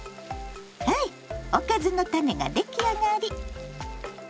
ハイおかずのタネが出来上がり。